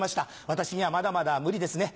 私にはまだまだ無理ですね。